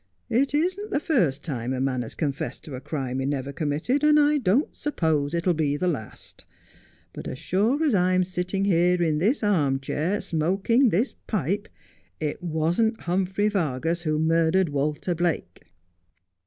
It isn't the first time a man has confessed to a crime he never committed, and I don't suppose it'll be the last ; but as sure as I am sitting here in this arm chair, smoking this pipe, it wasn't Humphrey Yargas who murdered Walter Blake.'